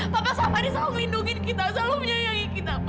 papa sampanis selalu lindungi kita selalu menyayangi kita ma